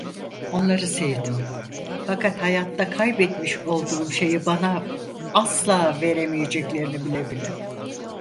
Onları sevdim, fakat hayatta kaybetmiş olduğum şeyi bana asla veremeyeceklerini bile bile.